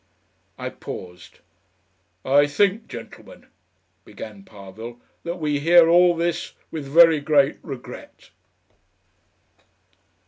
I paused. "I think, gentlemen," began Parvill, "that we hear all this with very great regret...."